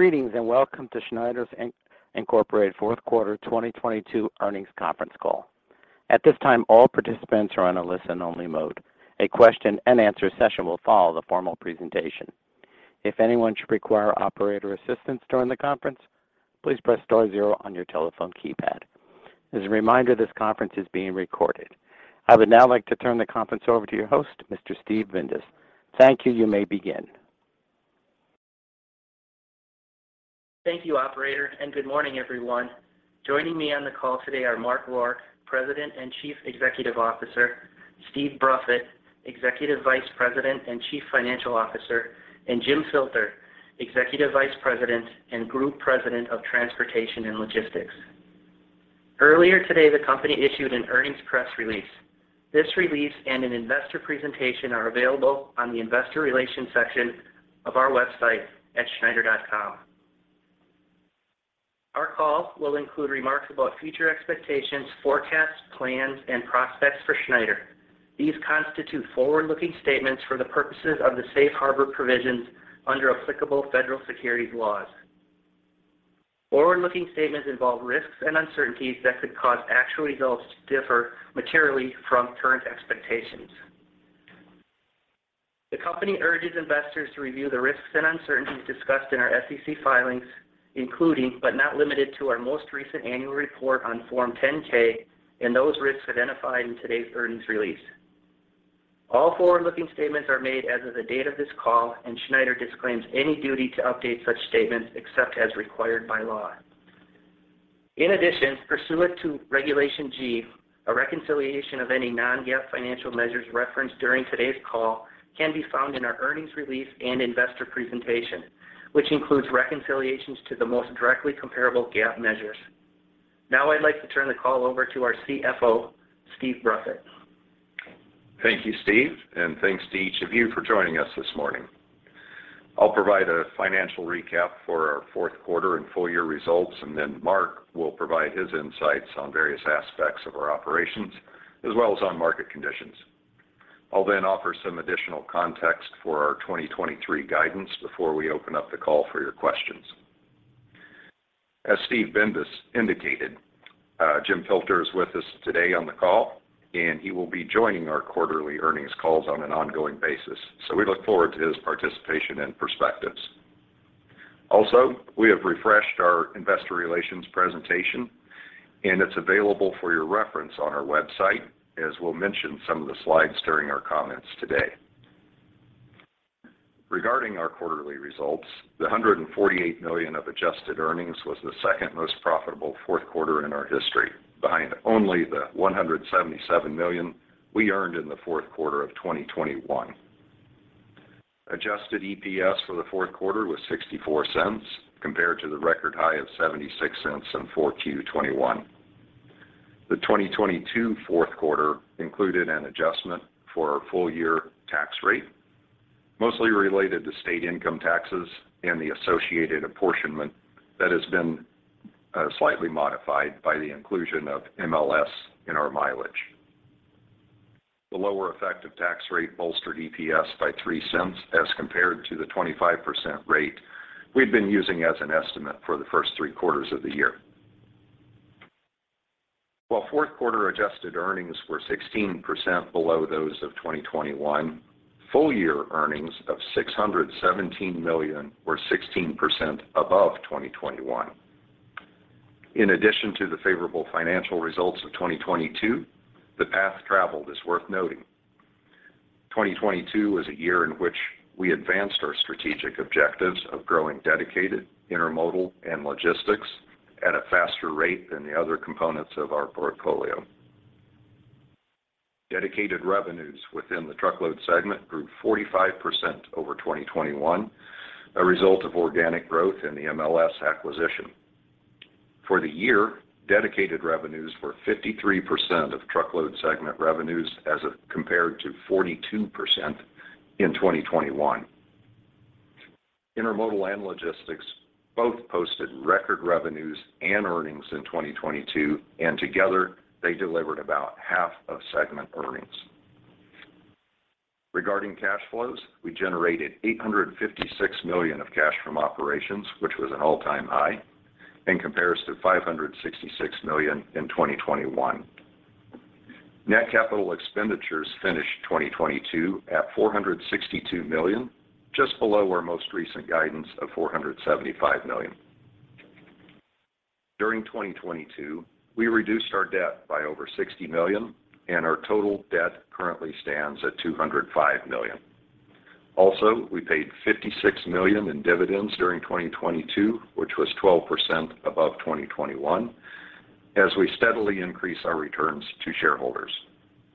Greetings, and welcome to Schneider National, Inc. fourth quarter 2022 earnings conference call. At this time, all participants are on a listen-only mode. A question and answer session will follow the formal presentation. If anyone should require operator assistance during the conference, please press star zero on your telephone keypad. As a reminder, this conference is being recorded. I would now like to turn the conference over to your host, Mr. Steve Bindas. Thank you. You may begin. Thank you, operator. Good morning, everyone. Joining me on the call today are Mark Rourke, President and Chief Executive Officer, Steve Bruffett, Executive Vice President and Chief Financial Officer, and Jim Filter, Executive Vice President and Group President of Transportation and Logistics. Earlier today, the company issued an earnings press release. This release and an investor presentation are available on the investor relations section of our website at schneider.com. Our call will include remarks about future expectations, forecasts, plans, and prospects for Schneider. These constitute forward-looking statements for the purposes of the safe harbor provisions under applicable federal securities laws. Forward-looking statements involve risks and uncertainties that could cause actual results to differ materially from current expectations. The company urges investors to review the risks and uncertainties discussed in our SEC filings, including, but not limited to, our most recent annual report on Form 10-K and those risks identified in today's earnings release. Schneider disclaims any duty to update such statements except as required by law. In addition, pursuant to Regulation G, a reconciliation of any non-GAAP financial measures referenced during today's call can be found in our earnings release and investor presentation, which includes reconciliations to the most directly comparable GAAP measures. Now I'd like to turn the call over to our CFO, Steve Bruffett. Thank you, Steve, and thanks to each of you for joining us this morning. I'll provide a financial recap for our fourth quarter and full year results, and then Mark will provide his insights on various aspects of our operations, as well as on market conditions. I'll then offer some additional context for our 2023 guidance before we open up the call for your questions. As Steve Bindas indicated, Jim Filter is with us today on the call, and he will be joining our quarterly earnings calls on an ongoing basis, so we look forward to his participation and perspectives. Also, we have refreshed our investor relations presentation, and it's available for your reference on our website, as we'll mention some of the slides during our comments today. Regarding our quarterly results, the $148 million of adjusted earnings was the second most profitable fourth quarter in our history, behind only the $177 million we earned in the fourth quarter of 2021. Adjusted EPS for the fourth quarter was $0.64 compared to the record high of $0.76 in 4Q 2021. The 2022 fourth quarter included an adjustment for our full year tax rate, mostly related to state income taxes and the associated apportionment that has been slightly modified by the inclusion of MLS in our mileage. The lower effective tax rate bolstered EPS by $0.03 as compared to the 25% rate we'd been using as an estimate for the first three quarters of the year. While fourth quarter adjusted earnings were 16% below those of 2021, full year earnings of $617 million were 16% above 2021. In addition to the favorable financial results of 2022, the path traveled is worth noting. 2022 was a year in which we advanced our strategic objectives of growing dedicated, intermodal, and logistics at a faster rate than the other components of our portfolio. Dedicated revenues within the truckload segment grew 45% over 2021, a result of organic growth in the MLS acquisition. For the year, dedicated revenues were 53% of truckload segment revenues as it compared to 42% in 2021. Intermodal and logistics both posted record revenues and earnings in 2022, and together, they delivered about half of segment earnings. Regarding cash flows, we generated $856 million of cash from operations, which was an all-time high and compares to $566 million in 2021. Net capital expenditures finished 2022 at $462 million, just below our most recent guidance of $475 million. During 2022, we reduced our debt by over $60 million, and our total debt currently stands at $205 million. We paid $56 million in dividends during 2022, which was 12% above 2021 as we steadily increase our returns to shareholders.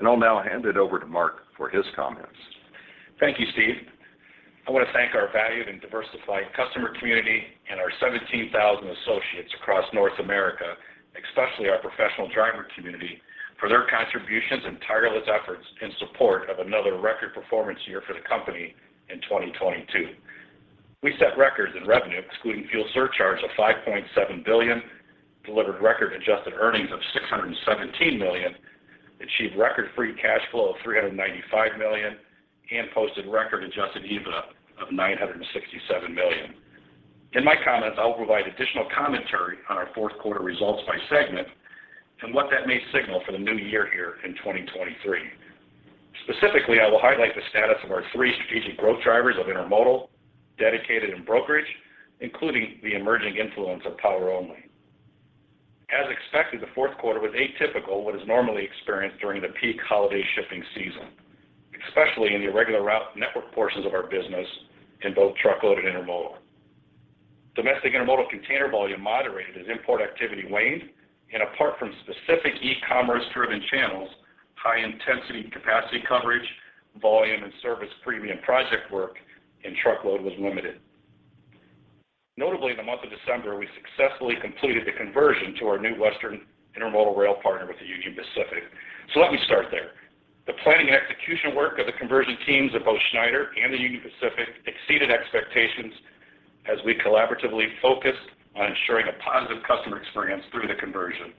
I'll now hand it over to Mark for his comments. Thank you, Steve. I want to thank our valued and diversified customer community and our 17,000 associates across North America, especially our professional driver community, for their contributions and tireless efforts in support of another record performance year for the company in 2022. We set records in revenue, excluding fuel surcharge, of $5.7 billion, delivered record-adjusted earnings of $617 million. Achieved record free cash flow of $395 million and posted record adjusted EBITDA of $967 million. In my comments, I will provide additional commentary on our fourth quarter results by segment and what that may signal for the new year here in 2023. Specifically, I will highlight the status of our three strategic growth drivers of intermodal, dedicated, and brokerage, including the emerging influence of Power Only. As expected, the fourth quarter was atypical what is normally experienced during the peak holiday shipping season, especially in the regular route network portions of our business in both truckload and intermodal. Domestic intermodal container volume moderated as import activity waned and apart from specific e-commerce-driven channels, high intensity capacity coverage, volume, and service premium project work in truckload was limited. In the month of December, we successfully completed the conversion to our new Western Intermodal rail partner with Union Pacific. Let me start there. The planning and execution work of the conversion teams of both Schneider and Union Pacific exceeded expectations as we collaboratively focused on ensuring a positive customer experience through the conversion.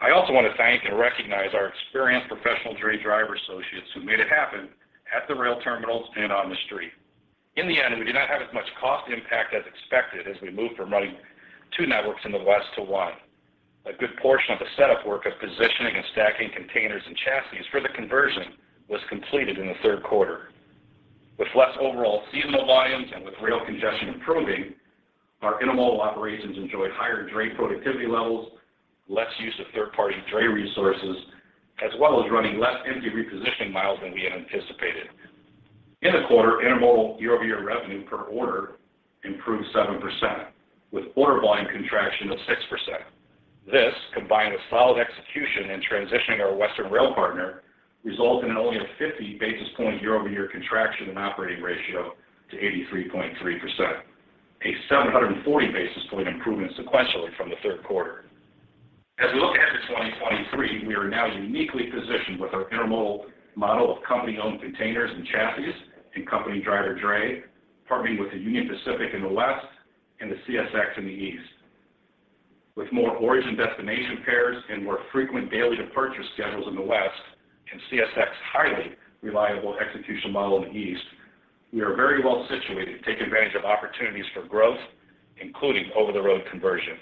I also want to thank and recognize our experienced professional dray driver associates who made it happen at the rail terminals and on the street. In the end, we did not have as much cost impact as expected as we moved from running two networks in the West to one. A good portion of the setup work of positioning and stacking containers and chassis for the conversion was completed in the third quarter. With less overall seasonal volumes and with rail congestion improving, our intermodal operations enjoyed higher dray productivity levels, less use of third-party dray resources, as well as running less empty repositioning miles than we had anticipated. In the quarter, intermodal year-over-year revenue per order improved 7% with order volume contraction of 6%. This, combined with solid execution in transitioning our Western rail partner, resulted in only a 50 basis point year-over-year contraction in operating ratio to 83.3%, a 740 basis point improvement sequentially from the third quarter. As we look ahead to 2023, we are now uniquely positioned with our intermodal model of company-owned containers and chassis and company driver dray, partnering with the Union Pacific in the West and the CSX in the East. With more origin destination pairs and more frequent daily departure schedules in the West and CSX highly reliable execution model in the East, we are very well-situated to take advantage of opportunities for growth, including over-the-road conversion.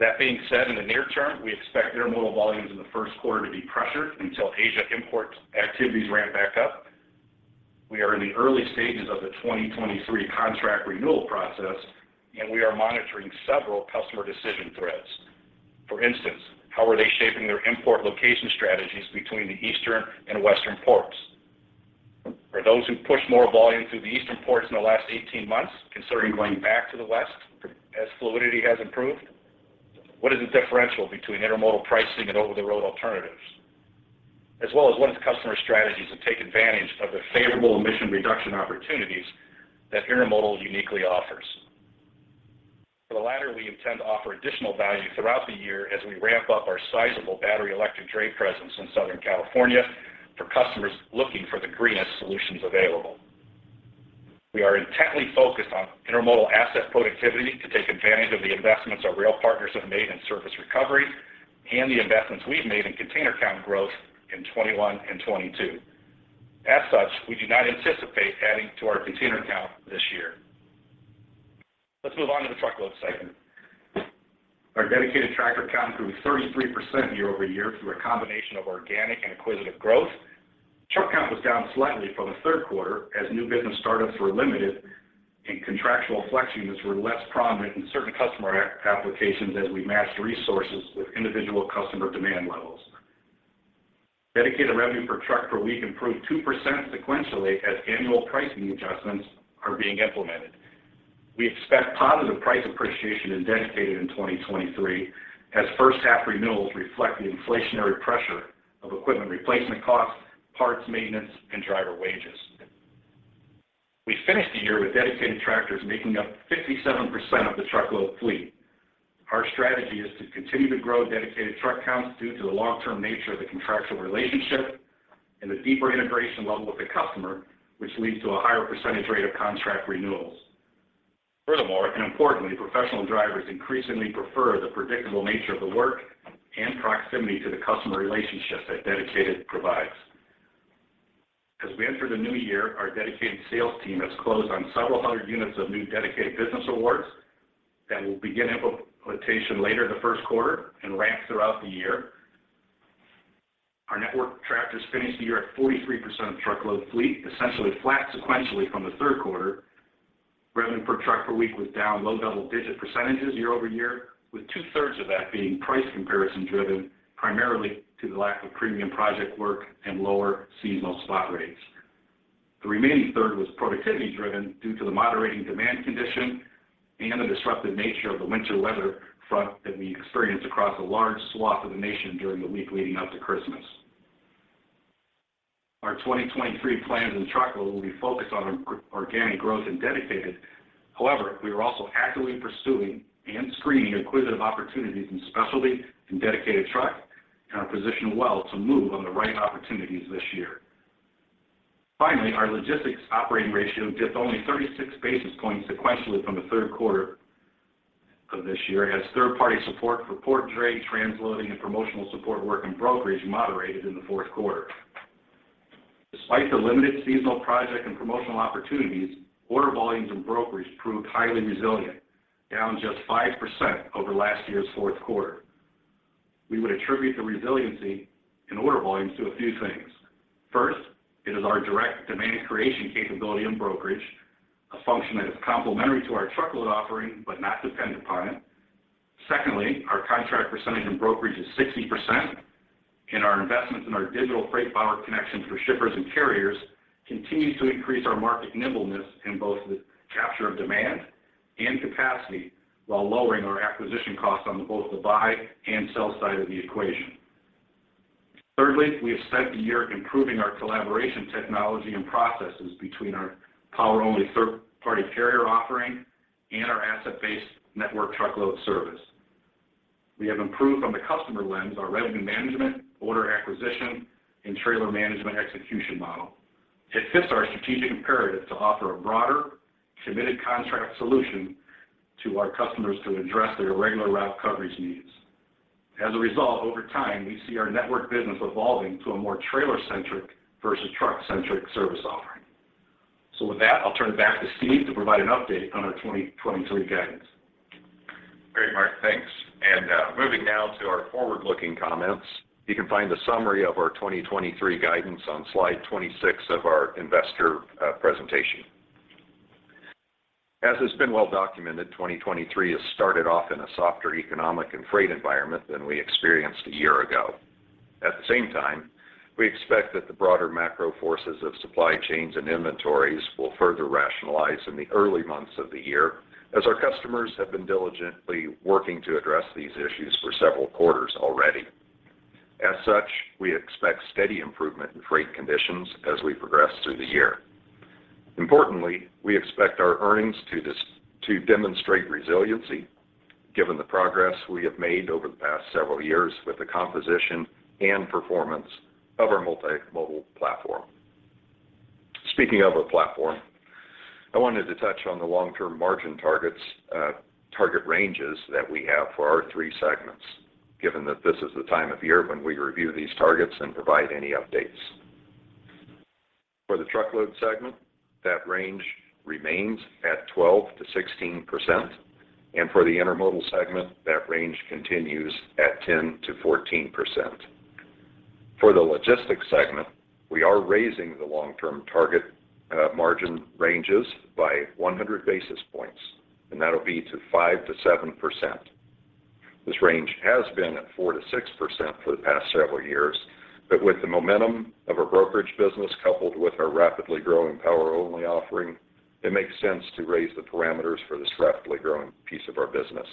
That being said, in the near term, we expect intermodal volumes in the first quarter to be pressured until Asia import activities ramp back up. We are in the early stages of the 2023 contract renewal process. We are monitoring several customer decision threads. For instance, how are they shaping their import location strategies between the Eastern and Western ports? Are those who pushed more volume through the Eastern ports in the last 18 months considering going back to the West as fluidity has improved? What is the differential between intermodal pricing and over-the-road alternatives? As well as what is customer strategies to take advantage of the favorable emission reduction opportunities that intermodal uniquely offers. For the latter, we intend to offer additional value throughout the year as we ramp up our sizable battery electric dray presence in Southern California for customers looking for the greenest solutions available. We are intently focused on intermodal asset productivity to take advantage of the investments our rail partners have made in service recovery and the investments we've made in container count growth in 21 and 22. As such, we do not anticipate adding to our container count this year. Let's move on to the truckload segment. Our dedicated tractor count grew 33% year-over-year through a combination of organic and acquisitive growth. Truck count was down slightly from the third quarter as new business startups were limited and contractual flex units were less prominent in certain customer applications as we matched resources with individual customer demand levels. Dedicated revenue per truck per week improved 2% sequentially as annual pricing adjustments are being implemented. We expect positive price appreciation in Dedicated in 2023 as first half renewals reflect the inflationary pressure of equipment replacement costs, parts maintenance, and driver wages. We finished the year with dedicated tractors making up 57% of the truckload fleet. Our strategy is to continue to grow dedicated truck counts due to the long-term nature of the contractual relationship and the deeper integration level with the customer, which leads to a higher percentage rate of contract renewals. Furthermore, importantly, professional drivers increasingly prefer the predictable nature of the work and proximity to the customer relationships that Dedicated provides. As we enter the new year, our Dedicated sales team has closed on several hundred units of new Dedicated business awards that will begin implementation later in the first quarter and ramp throughout the year. Our network tractors finished the year at 43% of truckload fleet, essentially flat sequentially from the third quarter. Revenue per truck per week was down low double-digit % year-over-year, with 2/3 of that being price comparison driven primarily to the lack of premium project work and lower seasonal spot rates. The remaining third was productivity driven due to the moderating demand condition and the disruptive nature of the winter weather front that we experienced across a large swath of the nation during the week leading up to Christmas. Our 2023 plans in truckload will be focused on organic growth in Dedicated. We are also actively pursuing and screening acquisitive opportunities in Specialty and Dedicated truck, and are positioned well to move on the right opportunities this year. Our logistics operating ratio dipped only 36 basis points sequentially from the third quarter of this year as third-party support for port drayage, transloading, and promotional support work in brokerage moderated in the fourth quarter. Despite the limited seasonal project and promotional opportunities, order volumes in brokerage proved highly resilient, down just 5% over last year's fourth quarter. We would attribute the resiliency in order volumes to a few things. It is our direct demand creation capability in brokerage, a function that is complementary to our truckload offering but not dependent upon it. Secondly, our contract percentage in brokerage is 60%, and our investments in our digital FreightPower connections for shippers and carriers continues to increase our market nimbleness in both the capture of demand and capacity while lowering our acquisition costs on both the buy and sell side of the equation. Thirdly, we have spent the year improving our collaboration technology and processes between our Power Only third-party carrier offering and our asset-based network truckload service. We have improved from the customer lens, our revenue management, order acquisition, and trailer management execution model. It fits our strategic imperative to offer a broader, committed contract solution to our customers to address their regular route coverage needs. As a result, over time, we see our network business evolving to a more trailer-centric versus truck-centric service offering. With that, I'll turn it back to Steve to provide an update on our 2023 guidance. Great, Mark. Thanks. Moving now to our forward-looking comments. You can find the summary of our 2023 guidance on slide 26 of our investor presentation. As has been well documented, 2023 has started off in a softer economic and freight environment than we experienced a year ago. At the same time, we expect that the broader macro forces of supply chains and inventories will further rationalize in the early months of the year as our customers have been diligently working to address these issues for several quarters already. We expect steady improvement in freight conditions as we progress through the year. Importantly, we expect our earnings to demonstrate resiliency given the progress we have made over the past several years with the composition and performance of our multimodal platform. Speaking of our platform, I wanted to touch on the long-term margin targets, target ranges that we have for our three segments, given that this is the time of year when we review these targets and provide any updates. For the truckload segment, that range remains at 12%-16%. For the intermodal segment, that range continues at 10%-14%. For the logistics segment, we are raising the long-term target margin ranges by 100 basis points, and that'll be to 5%-7%. This range has been at 4%-6% for the past several years. With the momentum of our brokerage business coupled with our rapidly growing Power Only offering, it makes sense to raise the parameters for this rapidly growing piece of our business.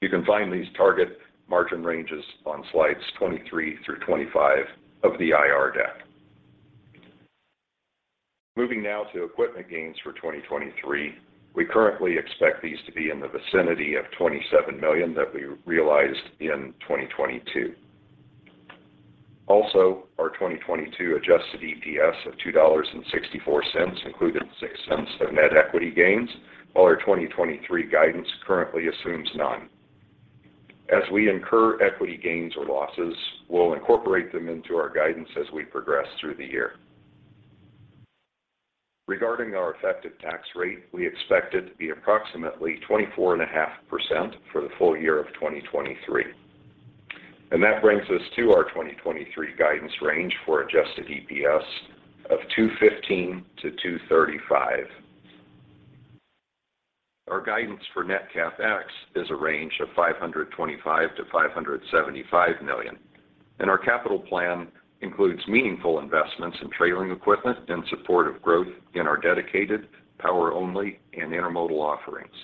You can find these target margin ranges on slides 23 through 25 of the IR deck. Moving now to equipment gains for 2023. We currently expect these to be in the vicinity of $27 million that we realized in 2022. Our 2022 adjusted EPS of $2.64 included $0.06 of net equity gains, while our 2023 guidance currently assumes none. As we incur equity gains or losses, we'll incorporate them into our guidance as we progress through the year. Regarding our effective tax rate, we expect it to be approximately 24.5% for the full year of 2023. That brings us to our 2023 guidance range for adjusted EPS of $2.15-$2.35. Our guidance for net CapEx is a range of $525 million-$575 million, Our capital plan includes meaningful investments in trailing equipment in support of growth in our dedicated power-only and intermodal offerings.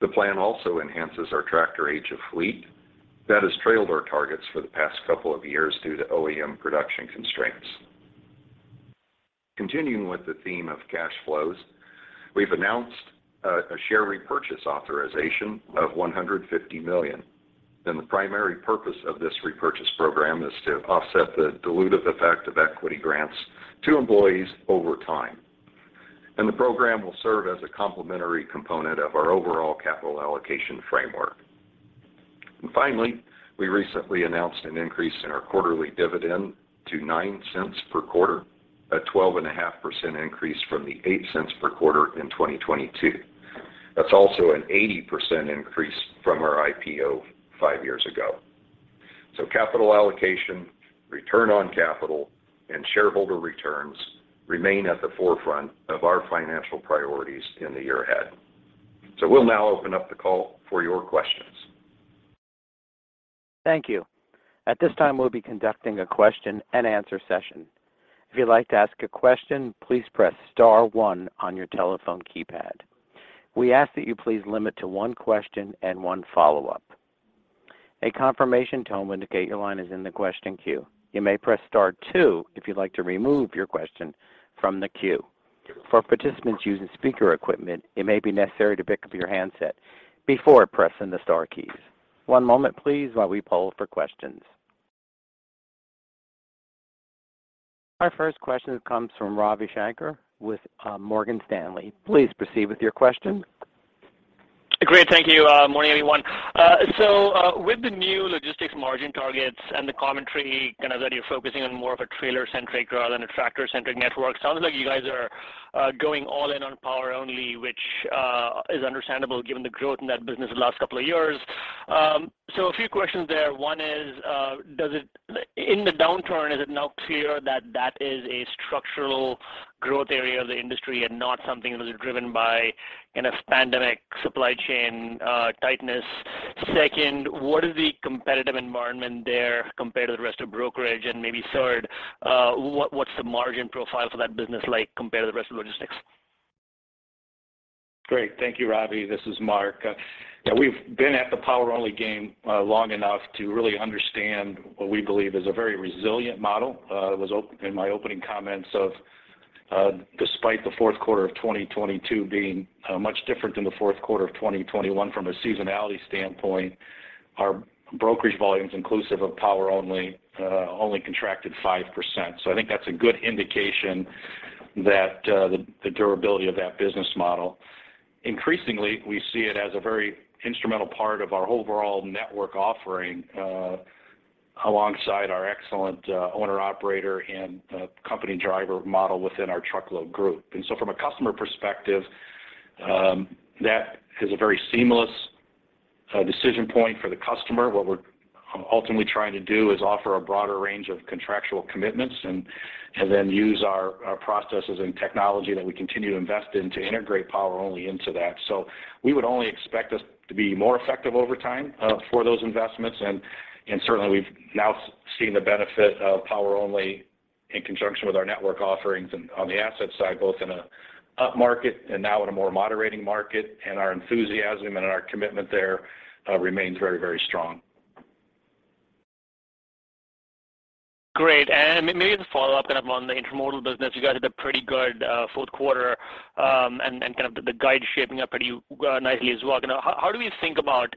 The plan also enhances our tractor age of fleet that has trailed our targets for the past couple of years due to OEM production constraints. Continuing with the theme of cash flows, we've announced a share repurchase authorization of $150 million, the primary purpose of this repurchase program is to offset the dilutive effect of equity grants to employees over time. The program will serve as a complementary component of our overall capital allocation framework. Finally, we recently announced an increase in our quarterly dividend to $0.09 per quarter, a 12.5% increase from the $0.08 per quarter in 2022. That's also an 80% increase from our IPO five years ago. Capital allocation, return on capital, and shareholder returns remain at the forefront of our financial priorities in the year ahead. We'll now open up the call for your questions. Thank you. At this time, we'll be conducting a question-and-answer session. If you'd like to ask a question, please press star one on your telephone keypad. We ask that you please limit to one question and one follow-up. A confirmation tone will indicate your line is in the question queue. You may press star two if you'd like to remove your question from the queue. For participants using speaker equipment, it may be necessary to pick up your handset before pressing the star keys. One moment please while we poll for questions. Our first question comes from Ravi Shanker with Morgan Stanley. Please proceed with your question. Great. Thank you. Morning, everyone. With the new logistics margin targets and the commentary, kind of that you're focusing on more of a trailer-centric rather than a tractor-centric network, sounds like you guys are going all in on Power Only, which is understandable given the growth in that business the last couple of years. A few questions there. One is, In the downturn, is it now clear that that is a structural growth area of the industry and not something that was driven by, kind of, pandemic supply chain tightness? Second, what is the competitive environment there compared to the rest of brokerage? Maybe third, what's the margin profile for that business like compared to the rest of logistics? Great. Thank you, Ravi. This is Mark. Yeah, we've been at the Power Only game long enough to really understand what we believe is a very resilient model. It was in my opening comments of despite the fourth quarter of 2022 being much different than the fourth quarter of 2021 from a seasonality standpoint, our brokerage volumes inclusive of Power Only only contracted 5%. I think that's a good indication that the durability of that business model. Increasingly, we see it as a very instrumental part of our overall network offering alongside our excellent owner-operator and company driver model within our truckload group. From a customer perspective, that is a very seamless decision point for the customer. What we're ultimately trying to do is offer a broader range of contractual commitments and then use our processes and technology that we continue to invest in to integrate Power Only into that. We would only expect this to be more effective over time for those investments. Certainly we've now seen the benefit of Power Only in conjunction with our network offerings and on the asset side, both in an upmarket and now in a more moderating market. Our enthusiasm and our commitment there remains very, very strong. Great. Maybe as a follow-up, kind of on the intermodal business, you guys did a pretty good fourth quarter, and kind of the guide shaping up pretty nicely as well. You know, how do we think about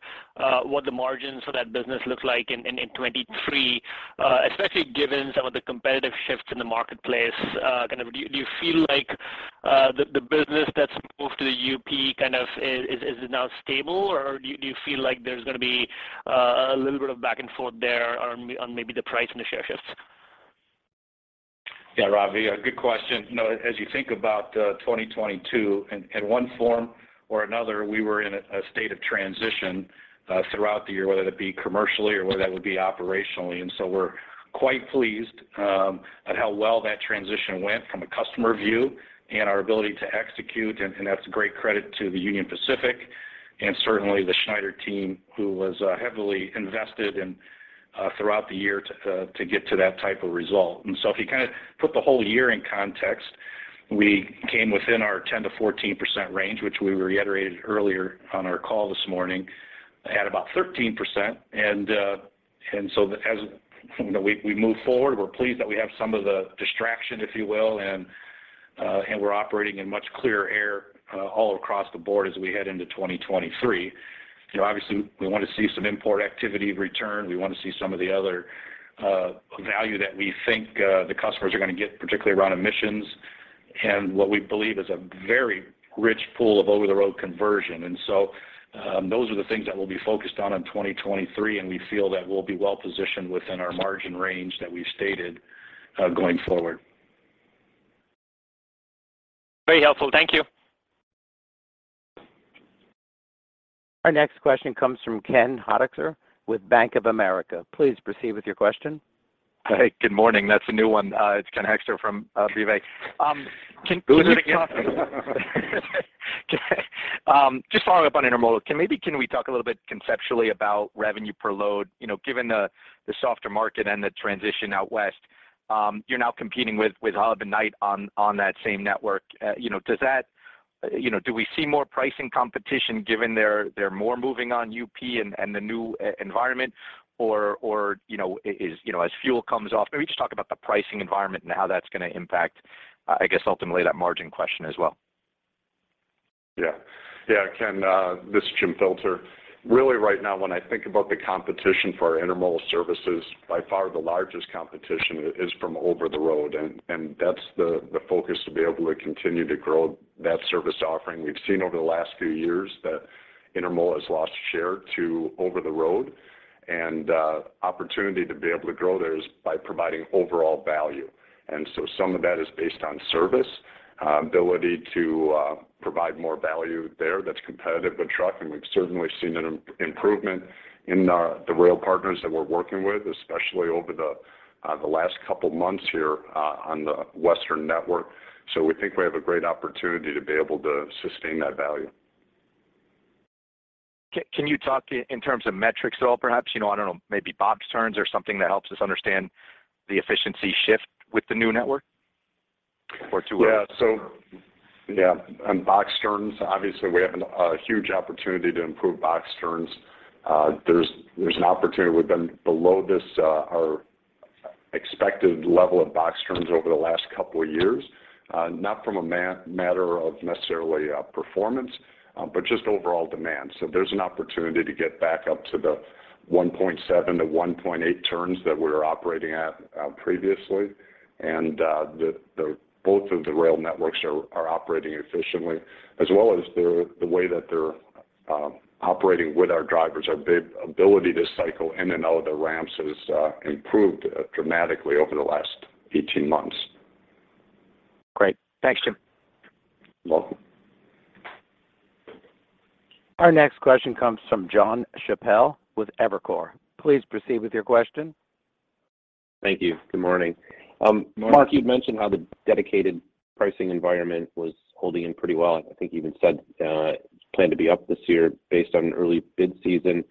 what the margins for that business look like in 2023, especially given some of the competitive shifts in the marketplace, kind of do you feel like the business that's moved to the UP kind of is now stable, or do you feel like there's gonna be a little bit of back and forth there on maybe the price and the share shifts? Yeah, Ravi, a good question. You know, as you think about, 2022, in one form or another, we were in a state of transition, throughout the year, whether that be commercially or whether that would be operationally. We're quite pleased, at how well that transition went from a customer view and our ability to execute, and that's a great credit to the Union Pacific and certainly the Schneider team who was, heavily invested in, throughout the year to get to that type of result. If you kind of put the whole year in context, we came within our 10%-14% range, which we reiterated earlier on our call this morning, at about 13%. As, you know, we move forward, we're pleased that we have some of the distraction, if you will, and we're operating in much clearer air all across the board as we head into 2023. You know, obviously, we want to see some import activity return. We want to see some of the other value that we think the customers are going to get, particularly around emissions and what we believe is a very rich pool of over-the-road conversion. Those are the things that we'll be focused on in 2023, and we feel that we'll be well positioned within our margin range that we've stated going forward. Very helpful. Thank you. Our next question comes from Ken Hoexter with Bank of America. Please proceed with your question. Hey, good morning. That's a new one. It's Ken Hoexter from Bank of America. Who's it again? Just following up on intermodal. Can we talk a little bit conceptually about revenue per load? You know, given the softer market and the transition out West, you're now competing with Knight-Swift on that same network. You know, does that, you know, do we see more pricing competition given they're more moving on UP and the new e-environment or, you know, as fuel comes off? Maybe just talk about the pricing environment and how that's going to impact, I guess, ultimately that margin question as well. Ken, this is Jim Filter. Really right now, when I think about the competition for our intermodal services, by far the largest competition is from over-the-road, and that's the focus to be able to continue to grow that service offering. We've seen over the last few years that intermodal has lost share to over-the-road, and opportunity to be able to grow there is by providing overall value. Some of that is based on service, ability to provide more value there that's competitive with truck, and we've certainly seen an improvement in our rail partners that we're working with, especially over the last couple months here on the Western network. We think we have a great opportunity to be able to sustain that value. Can you talk in terms of metrics, though, perhaps? You know, I don't know, maybe box turns or something that helps us understand the efficiency shift with the new network or to- Yeah. On box turns, obviously, we have a huge opportunity to improve box turns. There's an opportunity. We've been below this, our expected level of box turns over the last couple of years, not from a matter of necessarily performance, but just overall demand. There's an opportunity to get back up to the 1.7 to 1.8 turns that we were operating at previously. The both of the rail networks are operating efficiently as well as the way that they're operating with our drivers. Our ability to cycle in and out of the ramps has improved dramatically over the last 18 months. Great. Thanks, Jim. You're welcome. Our next question comes from Jon Chappell with Evercore. Please proceed with your question. Thank you. Good morning. Morning. Mark, you'd mentioned how the dedicated pricing environment was holding in pretty well. I think you even said, plan to be up this year based on an early bid season.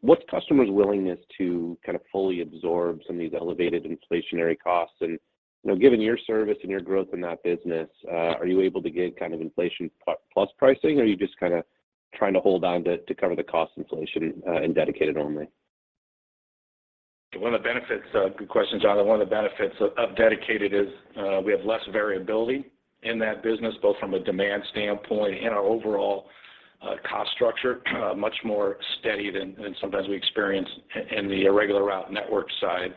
What's customers' willingness to kind of fully absorb some of these elevated inflationary costs? You know, given your service and your growth in that business, are you able to get kind of inflation plus pricing, or are you just kinda trying to hold on to cover the cost inflation, in Dedicated only? One of the benefits. Good question, Jon. One of the benefits of Dedicated is we have less variability in that business, both from a demand standpoint and our overall cost structure, much more steady than sometimes we experience in the irregular route network side.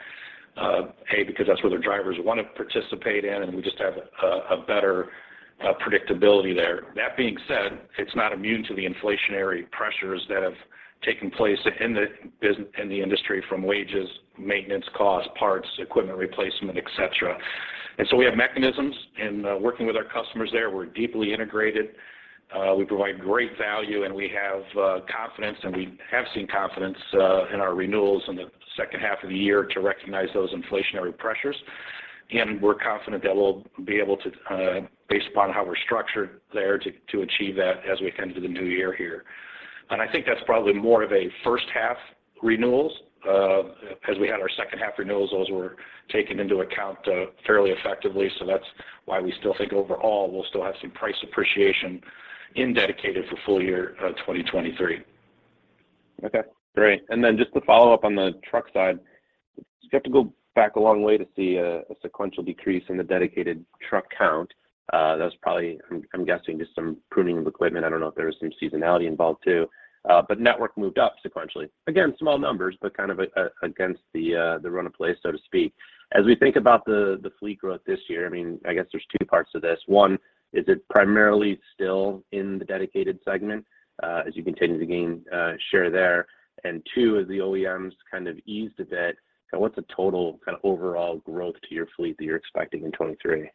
Because that's where the drivers want to participate in, we just have a better predictability there. That being said, it's not immune to the inflationary pressures that have taken place in the industry from wages, maintenance costs, parts, equipment replacement, et cetera. We have mechanisms in working with our customers there. We're deeply integrated. We provide great value, we have confidence, we have seen confidence in our renewals in the second half of the year to recognize those inflationary pressures. We're confident that we'll be able to, based upon how we're structured there, to achieve that as we come to the new year here. I think that's probably more of a first half renewals, as we had our second half renewals, those were taken into account fairly effectively, so that's why we still think overall we'll still have some price appreciation in Dedicated for full year, 2023. Okay. Great. Just to follow up on the truck side, you have to go back a long way to see a sequential decrease in the Dedicated truck count. That was probably, I'm guessing, just some pruning of equipment. I don't know if there was some seasonality involved too. Network moved up sequentially. Again, small numbers, but kind of against the run of play, so to speak. As we think about the fleet growth this year, I mean, I guess there's two parts to this. One, is it primarily still in the Dedicated segment, as you continue to gain share there? Two, as the OEMs kind of eased a bit, what's the total kind of overall growth to your fleet that you're expecting in 2023?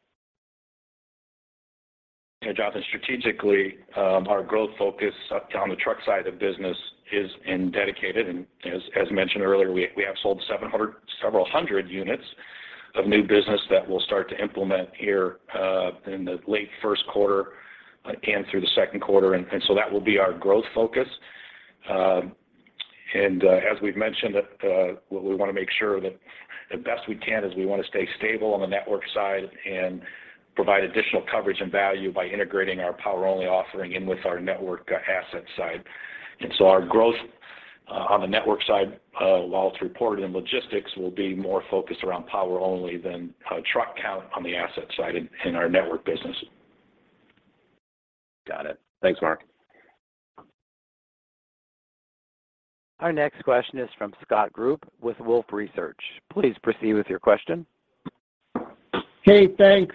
Yeah, Jon. Strategically, our growth focus on the truck side of the business is in Dedicated. As mentioned earlier, we have sold several hundred units of new business that we'll start to implement here in the late first quarter and through the second quarter. That will be our growth focus. As we've mentioned, we want to make sure that the best we can is we want to stay stable on the network side and provide additional coverage and value by integrating our Power Only offering in with our network asset side. Our growth on the network side, while it's reported in Logistics, will be more focused around Power Only than truck count on the asset side in our network business. Got it. Thanks, Mark. Our next question is from Scott Group with Wolfe Research. Please proceed with your question. Hey, thanks.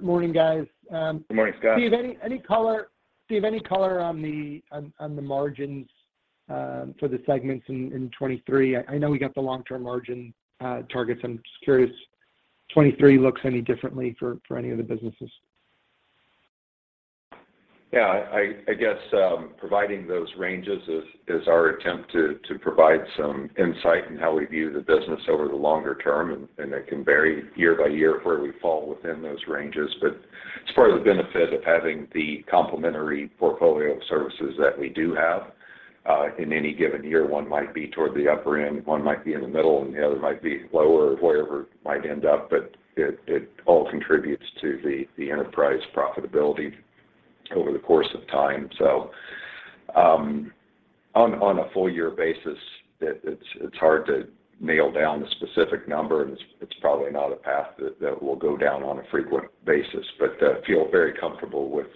Morning, guys. Good morning, Scott. Steve, any color, Steve, any color on the margins for the segments in 2023? I know we got the long-term margin targets. I'm just curious if 2023 looks any differently for any of the businesses. Yeah. I guess, providing those ranges is our attempt to provide some insight in how we view the business over the longer term, and it can vary year by year of where we fall within those ranges. It's part of the benefit of having the complementary portfolio of services that we do have. In any given year, one might be toward the upper end, one might be in the middle, and the other might be lower, wherever it might end up. It all contributes to the enterprise profitability over the course of time. On a full year basis, it's hard to nail down a specific number, and it's probably not a path that we'll go down on a frequent basis. I feel very comfortable with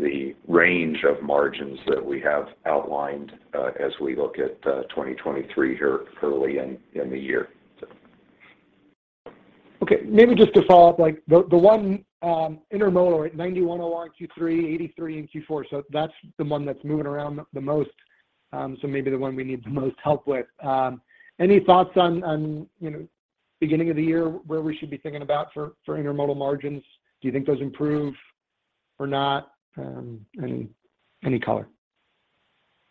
the range of margins that we have outlined, as we look at 2023 here early in the year. Okay. Maybe just to follow up, like, the one intermodal, right, 91 OR in Q3, 83 in Q4. That's the one that's moving around the most, maybe the one we need the most help with. Any thoughts on, you know, beginning of the year, where we should be thinking about for intermodal margins? Do you think those improve or not? Any color?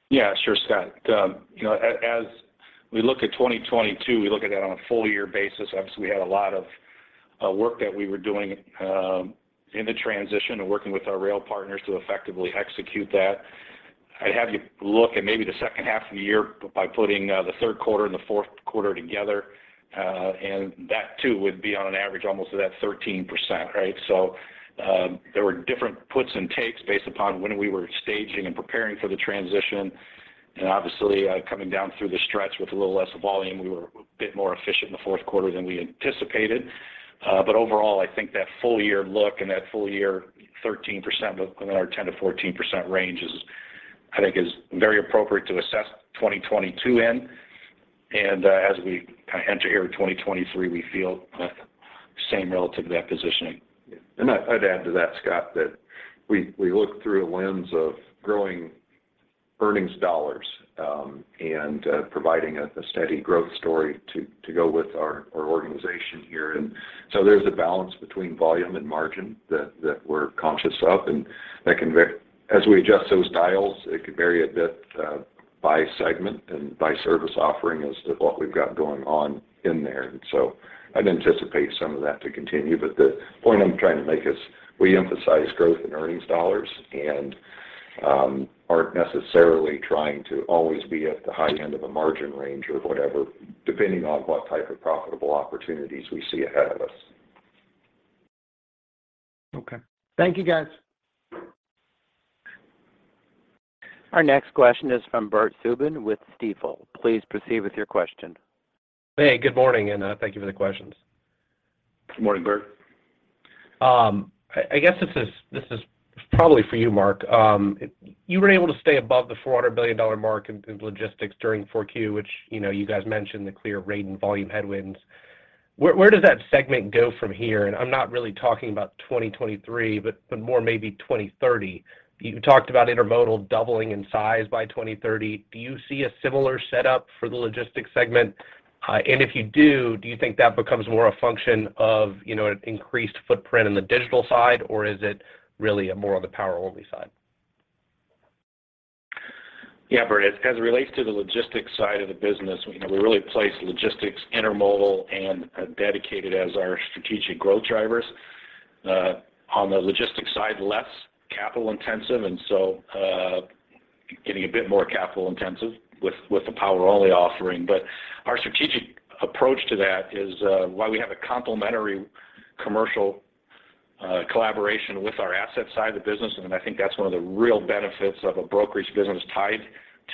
Yeah. Sure, Scott. you know, as we look at 2022, we look at that on a full year basis. Obviously, we had a lot of work that we were doing in the transition and working with our rail partners to effectively execute that. I'd have you look at maybe the second half of the year by putting the third quarter and the fourth quarter together, and that too would be on an average almost of that 13%, right? There were different puts and takes based upon when we were staging and preparing for the transition and obviously, coming down through the stretch with a little less volume, we were a bit more efficient in the fourth quarter than we anticipated. Overall, I think that full year look and that full year 13% within our 10%-14% range is, I think, is very appropriate to assess 2022 in. As we enter here 2023, we feel the same relative to that positioning. I'd add to that, Scott, that we look through a lens of growing earnings dollars, providing a steady growth story to go with our organization here. There's a balance between volume and margin that we're conscious of, and that can as we adjust those dials, it can vary a bit by segment and by service offering as to what we've got going on in there. I'd anticipate some of that to continue. The point I'm trying to make is we emphasize growth in earnings dollars and aren't necessarily trying to always be at the high end of a margin range or whatever, depending on what type of profitable opportunities we see ahead of us. Okay. Thank you, guys. Our next question is from Bert Subin with Stifel. Please proceed with your question. Hey, good morning, and, thank you for the questions. Good morning, Bert. I guess this is probably for you, Mark. You were able to stay above the $400 billion mark in logistics during Q4, which, you know, you guys mentioned the clear rate and volume headwinds. Where does that segment go from here? I'm not really talking about 2023, but more maybe 2030. You talked about intermodal doubling in size by 2030. Do you see a similar setup for the logistics segment? If you do you think that becomes more a function of, you know, an increased footprint in the digital side, or is it really more on the Power Only side? Yeah, Bert. As it relates to the logistics side of the business, you know, we really place logistics, intermodal, and dedicated as our strategic growth drivers. On the logistics side, less capital intensive, so getting a bit more capital intensive with the Power Only offering. Our strategic approach to that is why we have a complimentary commercial collaboration with our asset side of the business. I think that's one of the real benefits of a brokerage business tied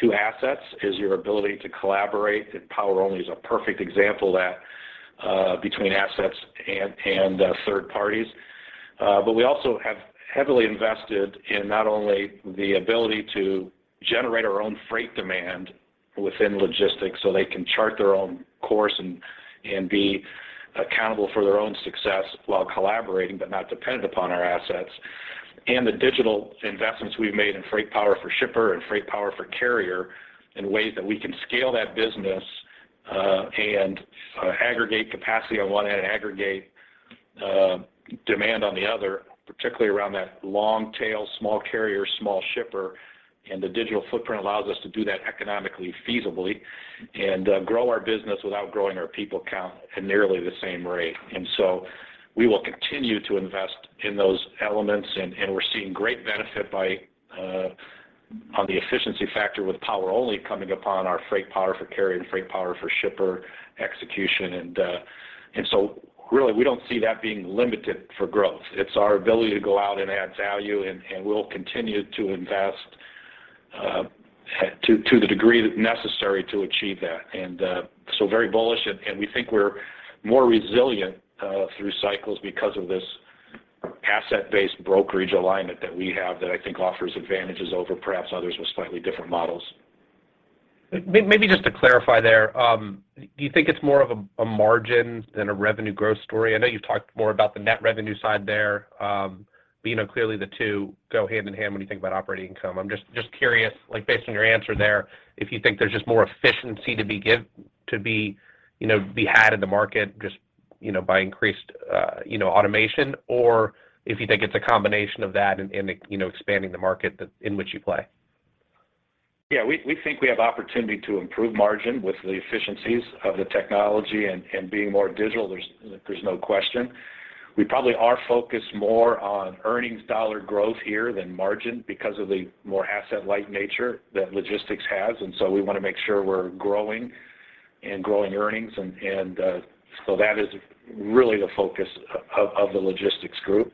to assets is your ability to collaborate. Power Only is a perfect example of that, between assets and third parties. But we also have heavily invested in not only the ability to generate our own freight demand within logistics so they can chart their own course and be accountable for their own success while collaborating, but not dependent upon our assets. The digital investments we've made in FreightPower for shippers and FreightPower for carriers in ways that we can scale that business and aggregate capacity on one hand, aggregate demand on the other, particularly around that long tail, small carrier, small shipper. The digital footprint allows us to do that economically feasibly and grow our business without growing our people count at nearly the same rate. We will continue to invest in those elements, and we're seeing great benefit by on the efficiency factor with Power Only coming upon our FreightPower for carriers and FreightPower for shippers execution. Really, we don't see that being limited for growth. It's our ability to go out and add value, and we'll continue to invest to the degree necessary to achieve that. Very bullish, and we think we're more resilient through cycles because of this asset-based brokerage alignment that we have that I think offers advantages over perhaps others with slightly different models. Maybe just to clarify there, do you think it's more of a margin than a revenue growth story? I know you've talked more about the net revenue side there, but you know, clearly the two go hand in hand when you think about operating income. I'm just curious, like, based on your answer there, if you think there's just more efficiency to be, you know, be had in the market just, you know, by increased automation, or if you think it's a combination of that and, you know, expanding the market that in which you play. Yeah, we think we have opportunity to improve margin with the efficiencies of the technology and being more digital. There's no question. We probably are focused more on earnings dollar growth here than margin because of the more asset light nature that logistics has. We want to make sure we're growing and growing earnings. That is really the focus of the logistics group.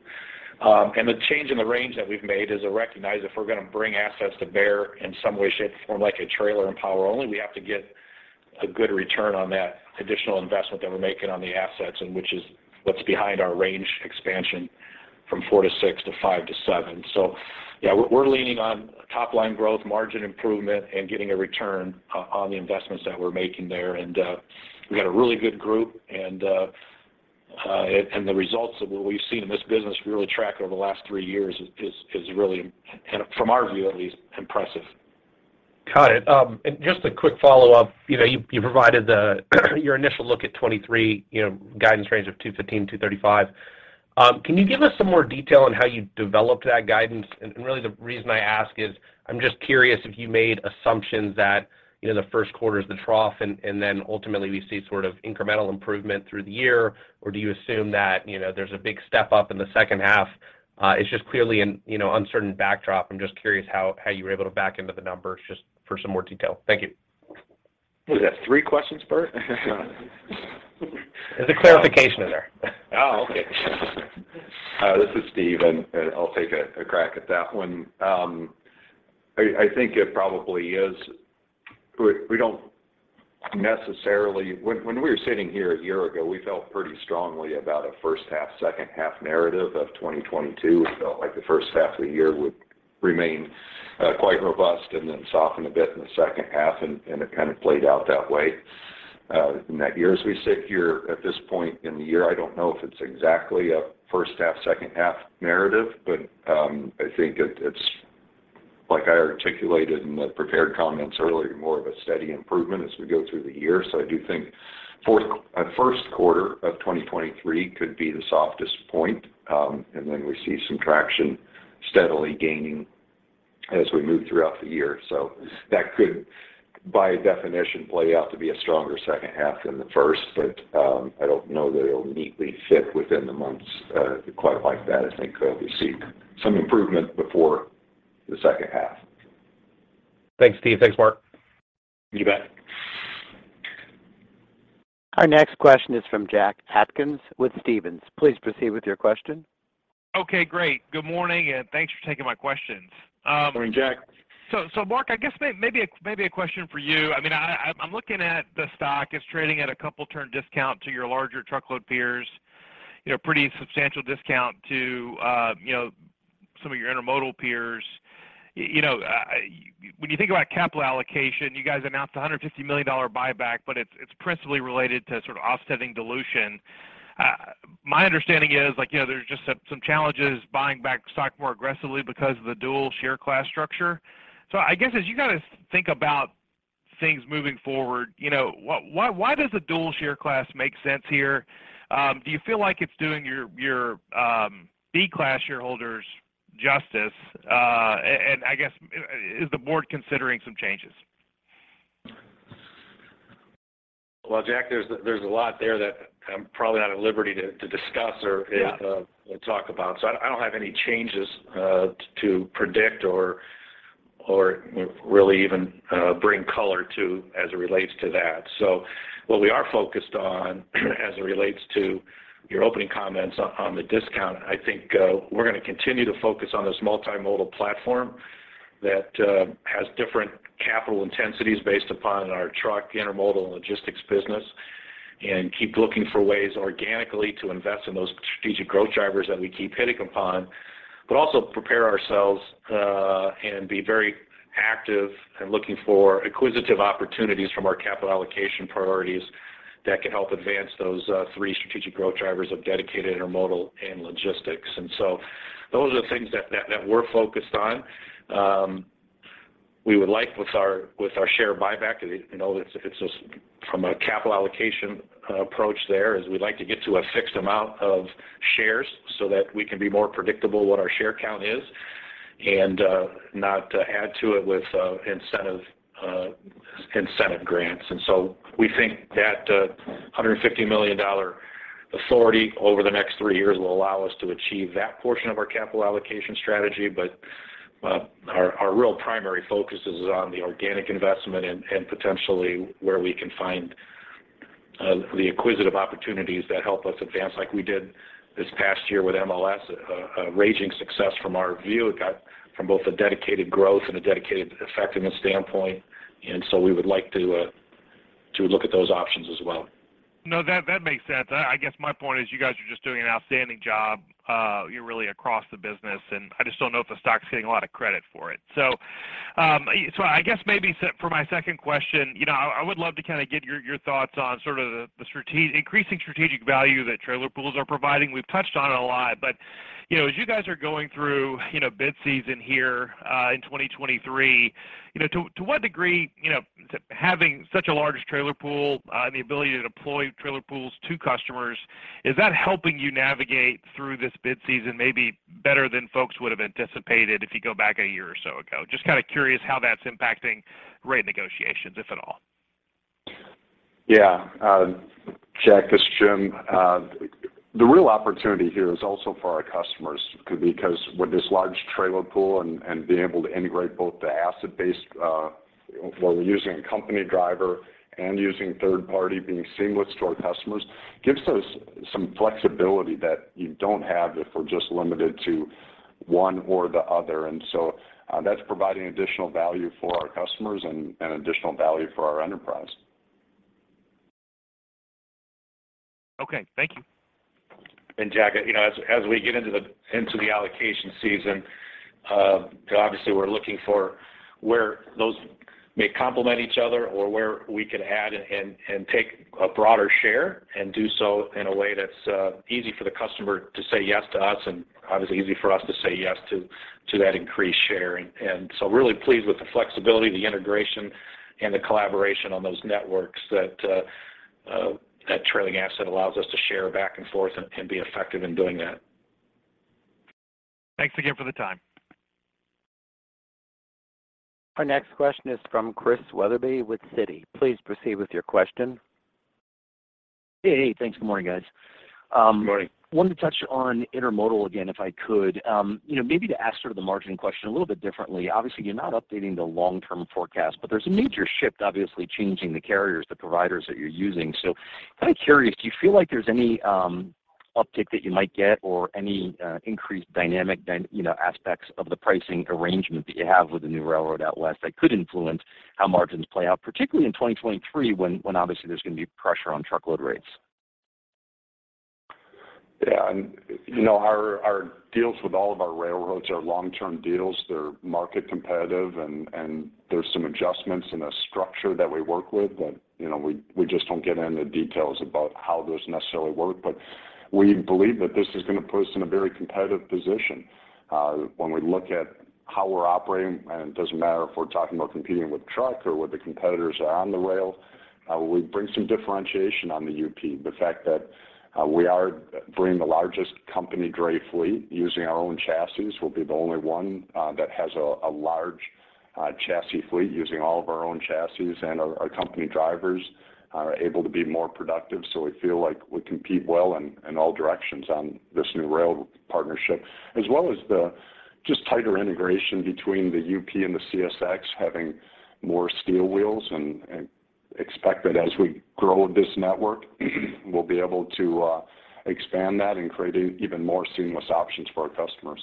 The change in the range that we've made is to recognize if we're going to bring assets to bear in some way, shape, or form, like a trailer and Power Only, we have to get a good return on that additional investment that we're making on the assets and which is what's behind our range expansion from four-six to five-seven. Yeah, we're leaning on top line growth, margin improvement, and getting a return on the investments that we're making there. We got a really good group and the results of what we've seen in this business really track over the last three years is really, and from our view at least, impressive. Got it. Just a quick follow-up. You know, you provided the, your initial look at 2023, you know, guidance range of $2.15-$2.35. Can you give us some more detail on how you developed that guidance? Really the reason I ask is, I'm just curious if you made assumptions that, you know, the first quarter is the trough and then ultimately we see sort of incremental improvement through the year, or do you assume that, you know, there's a big step up in the second half? It's just clearly an, you know, uncertain backdrop. I'm just curious how you were able to back into the numbers just for some more detail. Thank you. What is that? Three questions, Bert? There's a clarification in there. Oh, okay. This is Steve, and I'll take a crack at that one. I think it probably is... We don't necessarily... When we were sitting here a year ago, we felt pretty strongly about a first half, second half narrative of 2022. We felt like the first half of the year would remain quite robust and then soften a bit in the second half, and it kind of played out that way. In that year, as we sit here at this point in the year, I don't know if it's exactly a first half, second half narrative, but I think it's, like I articulated in the prepared comments earlier, more of a steady improvement as we go through the year. I do think first quarter of 2023 could be the softest point, and then we see some traction steadily gaining as we move throughout the year. That could, by definition, play out to be a stronger second half than the first, but I don't know that it'll neatly fit within the months, quite like that. I think we'll be seeing some improvement before the second half. Thanks, Steve. Thanks, Mark. Thank you Bert. Our next question is from Jack Atkins with Stephens. Please proceed with your question. Okay, great. Good morning, and thanks for taking my questions. Morning, Jack. Mark, I guess maybe a question for you. I mean, I'm looking at the stock. It's trading at a couple turn discount to your larger truckload peers. You know, pretty substantial discount to, you know, some of your intermodal peers. You know, when you think about capital allocation, you guys announced a $150 million buyback, but it's principally related to sort of offsetting dilution. My understanding is, like, you know, there's just some challenges buying back stock more aggressively because of the dual share class structure. I guess as you kind of think about things moving forward, you know, why does a dual share class make sense here? Do you feel like it's doing your B class shareholders justice? And I guess, is the board considering some changes? Well, Jack, there's a lot there that I'm probably not at liberty to discuss. Yeah talk about. I don't have any changes to predict or really even bring color to as it relates to that. What we are focused on, as it relates to your opening comments on the discount, I think, we're gonna continue to focus on this multimodal platform that has different capital intensities based upon our truck, intermodal, and logistics business and keep looking for ways organically to invest in those strategic growth drivers that we keep hitting upon. Also prepare ourselves and be very active in looking for acquisitive opportunities from our capital allocation priorities that can help advance those three strategic growth drivers of dedicated, intermodal, and logistics. Those are the things that we're focused on. We would like with our, with our share buyback, you know, it's just from a capital allocation approach there, is we'd like to get to a fixed amount of shares so that we can be more predictable what our share count is and not add to it with incentive incentive grants. We think that $150 million authority over the next three years will allow us to achieve that portion of our capital allocation strategy. Our real primary focus is on the organic investment and potentially where we can find the acquisitive opportunities that help us advance like we did this past year with MLS, a raging success from our view. It got from both a dedicated growth and a dedicated effectiveness standpoint. We would like to look at those options as well. No, that makes sense. I guess my point is you guys are just doing an outstanding job, really across the business, and I just don't know if the stock's getting a lot of credit for it. I guess maybe for my second question, you know, I would love to kind of get your thoughts on sort of the increasing strategic value that trailer pools are providing. We've touched on it a lot, but, you know, as you guys are going through, you know, bid season here, in 2023, you know, to what degree, you know, having such a large trailer pool, the ability to deploy trailer pools to customers, is that helping you navigate through this bid season maybe better than folks would have anticipated if you go back a year or so ago? Just kind of curious how that's impacting rate negotiations, if at all. Jack, this is Jim. The real opportunity here is also for our customers because with this large trailer pool and being able to integrate both the asset base, where we're using a company driver and using third party, being seamless to our customers, gives us some flexibility that you don't have if we're just limited to one or the other. That's providing additional value for our customers and additional value for our enterprise. Okay, thank you. Jack, you know, as we get into the allocation season, obviously we're looking for where those may complement each other or where we can add and take a broader share and do so in a way that's easy for the customer to say yes to us and obviously easy for us to say yes to that increased share. We're really pleased with the flexibility, the integration, and the collaboration on those networks that trailing asset allows us to share back and forth and be effective in doing that. Thanks again for the time. Our next question is from Christian Wetherbee with Citi. Please proceed with your question. Hey, thanks. Good morning, guys. Good morning. Wanted to touch on intermodal again, if I could. You know, maybe to ask sort of the margin question a little bit differently. Obviously, you're not updating the long-term forecast, but there's a major shift, obviously, changing the carriers, the providers that you're using. Kind of curious, do you feel like there's any uptick that you might get or any increased dynamic you know, aspects of the pricing arrangement that you have with the new railroad out west that could influence how margins play out, particularly in 2023 when obviously there's going to be pressure on truckload rates? Yeah. You know, our deals with all of our railroads are long-term deals. They're market competitive and there's some adjustments in the structure that we work with that, you know, we just don't get into details about how those necessarily work. We believe that this is gonna put us in a very competitive position when we look at how we're operating, and it doesn't matter if we're talking about competing with truck or with the competitors that are on the rail. We bring some differentiation on the UP. The fact that we are bringing the largest company dray fleet using our own chassis. We'll be the only one that has a large chassis fleet using all of our own chassis. Our company drivers are able to be more productive. We feel like we compete well in all directions on this new rail partnership, as well as the just tighter integration between the UP and the CSX having more steel wheels and expect that as we grow this network, we'll be able to expand that and create even more seamless options for our customers.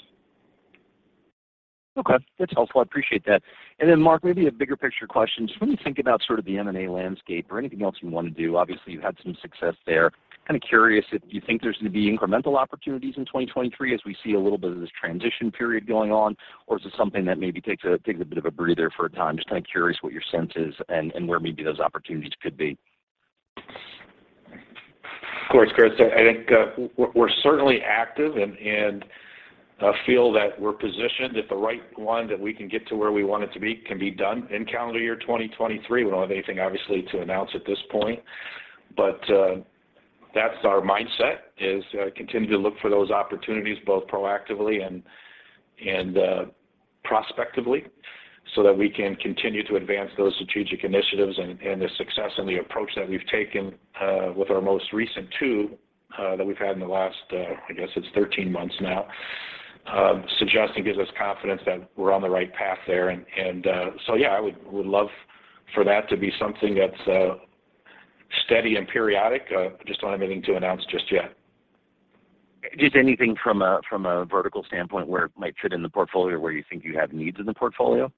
Okay. That's helpful. I appreciate that. Then Mark, maybe a bigger picture question. Just when you think about sort of the M&A landscape or anything else you want to do, obviously, you've had some success there. Kind of curious if you think there's going to be incremental opportunities in 2023 as we see a little bit of this transition period going on, or is it something that maybe takes a bit of a breather for a time? Just kind of curious what your sense is and where maybe those opportunities could be. Of course, Chris. I think we're certainly active and feel that we're positioned if the right one that we can get to where we want it to be can be done in calendar year 2023. We don't have anything obviously to announce at this point, but that's our mindset, is continue to look for those opportunities both proactively and prospectively so that we can continue to advance those strategic initiatives and the success and the approach that we've taken with our most recent two that we've had in the last, I guess it's 13 months now, suggesting gives us confidence that we're on the right path there. Yeah, I would love for that to be something that's steady and periodic. I just don't have anything to announce just yet. Just anything from a vertical standpoint where it might fit in the portfolio where you think you have needs in the portfolio?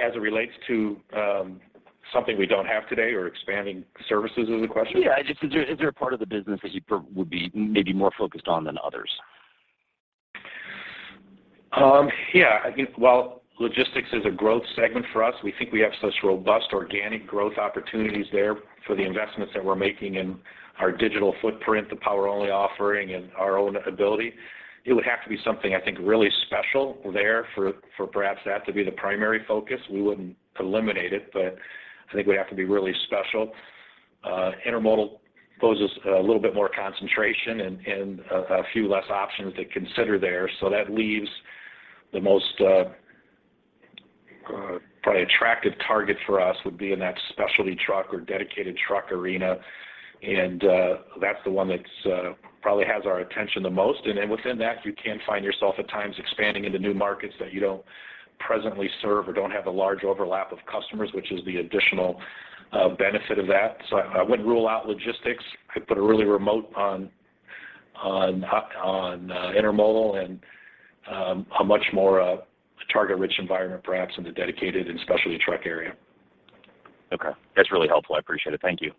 As it relates to, something we don't have today or expanding services is the question? Yeah. Just is there a part of the business that you would be maybe more focused on than others? Yeah. I think while logistics is a growth segment for us, we think we have such robust organic growth opportunities there for the investments that we're making in our digital footprint, the Power Only offering, and our own ability. It would have to be something, I think, really special there for perhaps that to be the primary focus. We wouldn't eliminate it, but I think it would have to be really special. Intermodal poses a little bit more concentration and a few less options to consider there. That leaves the most probably attractive target for us would be in that specialty truck or dedicated truck arena. That's the one that's probably has our attention the most. Within that, you can find yourself at times expanding into new markets that you don't presently serve or don't have a large overlap of customers, which is the additional benefit of that. I wouldn't rule out logistics. I'd put a really remote on intermodal and a much more target-rich environment perhaps in the dedicated and specialty truck area. Okay. That's really helpful. I appreciate it. Thank you.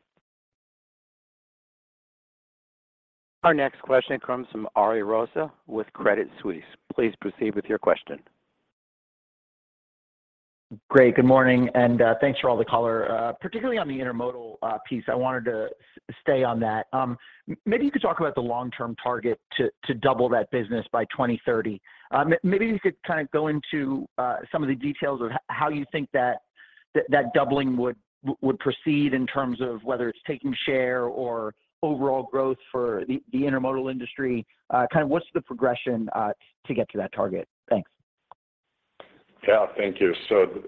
Our next question comes from Ariel Rosa with Credit Suisse. Please proceed with your question. Great. Good morning, thanks for all the color. Particularly on the intermodal piece, I wanted to stay on that. Maybe you could talk about the long-term target to double that business by 2030. Maybe you could kind of go into some of the details of how you think that doubling would proceed in terms of whether it's taking share or overall growth for the intermodal industry. Kind of what's the progression to get to that target? Thanks. Thank you.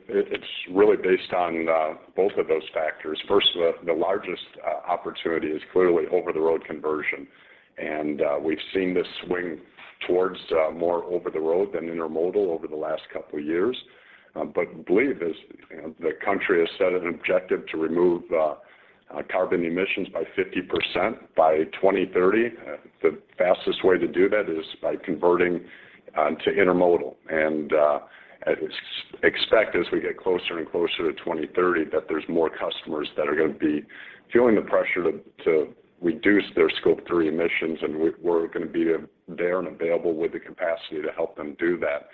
It's really based on both of those factors. First, the largest opportunity is clearly over-the-road conversion. We've seen this swing towards more over the road than intermodal over the last couple of years. Believe as, you know, the country has set an objective to remove carbon emissions by 50% by 2030. The fastest way to do that is by converting to intermodal. Expect as we get closer and closer to 2030 that there's more customers that are gonna be feeling the pressure to reduce their Scope 3 emissions, and we're gonna be there and available with the capacity to help them do that.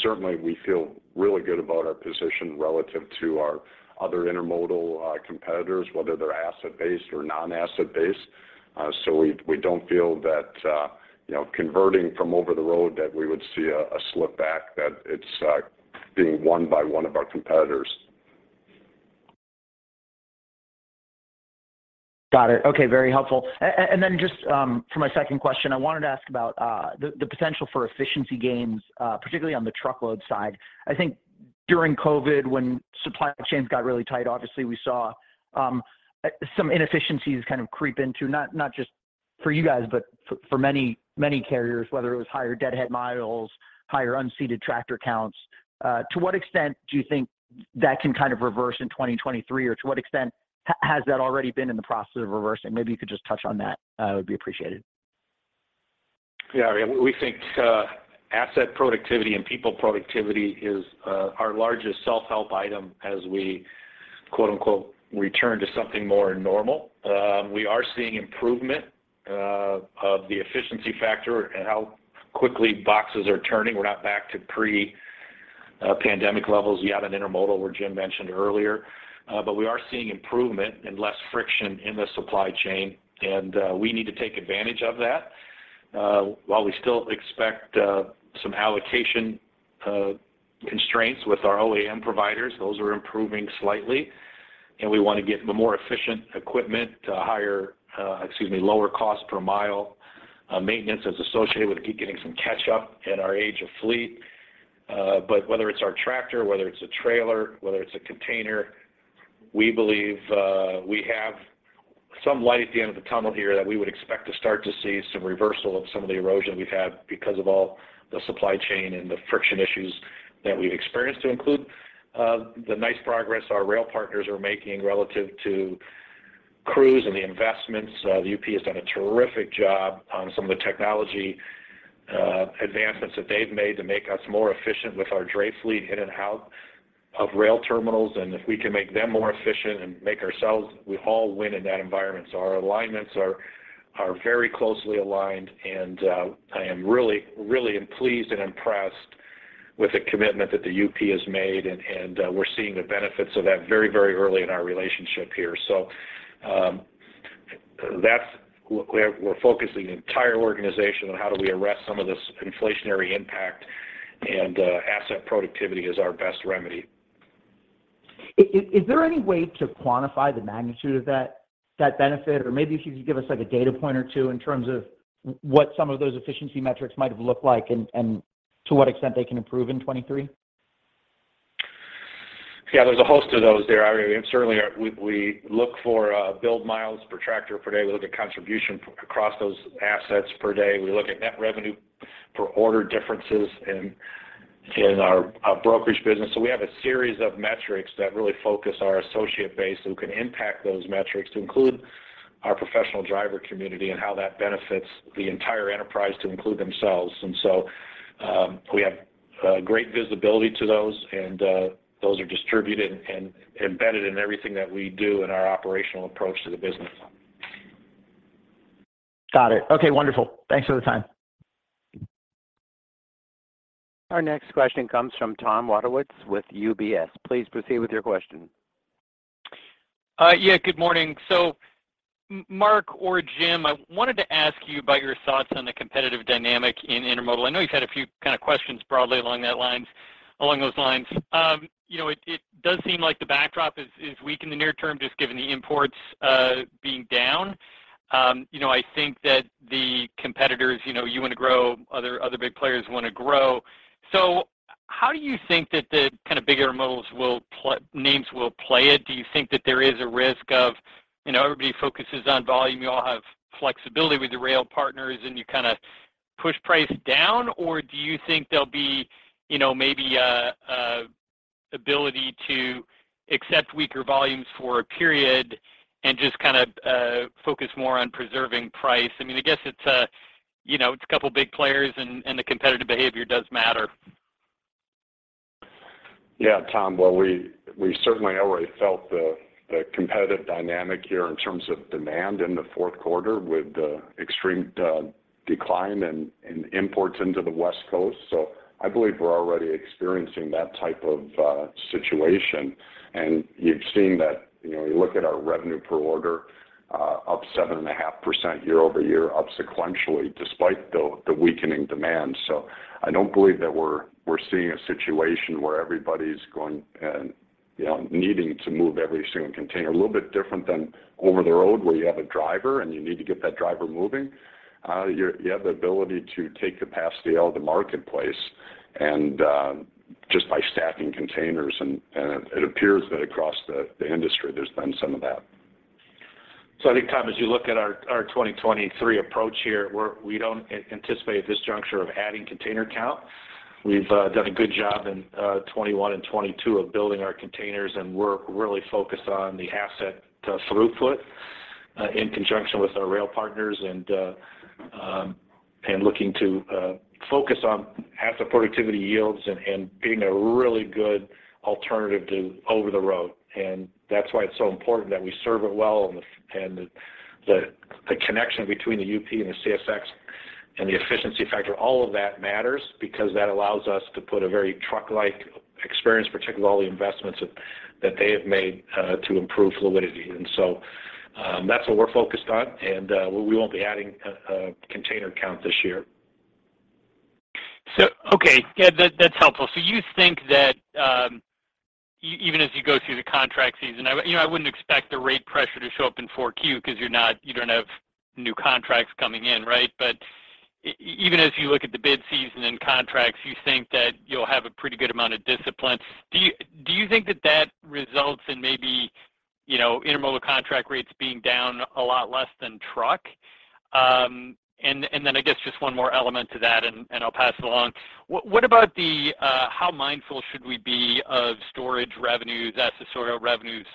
Certainly we feel really good about our position relative to our other intermodal competitors, whether they're asset-based or non-asset-based. We don't feel that, you know, converting from over the road that we would see a slip back, that it's being won by one of our competitors. Got it. Okay, very helpful. Then just, for my second question, I wanted to ask about the potential for efficiency gains, particularly on the truckload side. I think during COVID, when supply chains got really tight, obviously we saw some inefficiencies kind of creep into, not just for you guys, but for many carriers, whether it was higher deadhead miles, higher unseated tractor counts. To what extent do you think that can kind of reverse in 2023? To what extent has that already been in the process of reversing? Maybe you could just touch on that. It would be appreciated. Yeah. I mean, we think asset productivity and people productivity is our largest self-help item as we quote-unquote, "Return to something more normal." We are seeing improvement of the efficiency factor and how quickly boxes are turning. We're not back to pre-pandemic levels. We have an intermodal, where Jim mentioned earlier. We are seeing improvement and less friction in the supply chain, and we need to take advantage of that. While we still expect some allocation constraints with our OEM providers, those are improving slightly, and we want to get the more efficient equipment to higher, excuse me, lower cost per mile. Maintenance that's associated with it keep getting some catch-up in our age of fleet. Whether it's our tractor, whether it's a trailer, whether it's a container, we believe, we have some light at the end of the tunnel here that we would expect to start to see some reversal of some of the erosion we've had because of all the supply chain and the friction issues that we've experienced to include, the nice progress our rail partners are making relative to crews and the investments. The UP has done a terrific job on some of the technology advancements that they've made to make us more efficient with our dray fleet in and out of rail terminals. If we can make them more efficient and make ourselves, we all win in that environment. Our alignments are very closely aligned, and I am really pleased and impressed with the commitment that the UP has made and we're seeing the benefits of that very, very early in our relationship here. That's where we're focusing the entire organization on how do we arrest some of this inflationary impact, and asset productivity is our best remedy. Is there any way to quantify the magnitude of that benefit? Maybe if you could give us like a data point or two in terms of what some of those efficiency metrics might have looked like and to what extent they can improve in 2023? Yeah. There's a host of those there. I mean, certainly, we look for billed miles per tractor per day. We look at contribution across those assets per day. We look at net revenue per order differences in our brokerage business. We have a series of metrics that really focus our associate base who can impact those metrics to include our professional driver community and how that benefits the entire enterprise to include themselves. We have great visibility to those, and those are distributed and embedded in everything that we do in our operational approach to the business. Got it. Okay, wonderful. Thanks for the time. Our next question comes from Tom Wadewitz with UBS. Please proceed with your question. Yeah, good morning. Mark or Jim, I wanted to ask you about your thoughts on the competitive dynamic in intermodal. I know you've had a few kind of questions broadly along those lines. You know, it does seem like the backdrop is weak in the near term, just given the imports being down. You know, I think that the competitors, you know, you want to grow, other big players want to grow. How do you think that the kind of bigger intermodals names will play it? Do you think that there is a risk of, you know, everybody focuses on volume, you all have flexibility with the rail partners, and you kind of push price down? Do you think there'll be, you know, maybe, ability to accept weaker volumes for a period and just kind of, focus more on preserving price? I mean, I guess it's, you know, it's a couple big players and the competitive behavior does matter. Yeah, Tom. Well, we certainly already felt the competitive dynamic here in terms of demand in the fourth quarter with the extreme decline in imports into the West Coast. I believe we're already experiencing that type of situation. You've seen that, you know, you look at our revenue per order, up 7.5% year-over-year, up sequentially despite the weakening demand. I don't believe that we're seeing a situation where everybody's going and, you know, needing to move every single container. A little bit different than over the road where you have a driver and you need to get that driver moving. You have the ability to take capacity out of the marketplace and just by stacking containers and it appears that across the industry there's been some of that. I think, Tom, as you look at our 2023 approach here, we don't anticipate at this juncture of adding container count. We've done a good job in 2021 and 2022 of building our containers, and we're really focused on the asset throughput in conjunction with our rail partners and looking to focus on asset productivity yields and being a really good alternative to over the road. That's why it's so important that we serve it well and the connection between the UP and the CSX and the efficiency factor, all of that matters because that allows us to put a very truck-like experience, particularly with all the investments that they have made to improve fluidity. That's what we're focused on, and, we won't be adding a container count this year. Okay. Yeah, that's helpful. You think that, even as you go through the contract season, I, you know, I wouldn't expect the rate pressure to show up in four Q because you don't have new contracts coming in, right? Even as you look at the bid season and contracts, you think that you'll have a pretty good amount of discipline. Do you think that that results in maybe, you know, intermodal contract rates being down a lot less than truck? Then I guess just one more element to that, and I'll pass it along. What about the how mindful should we be of storage revenues as the sort of revenues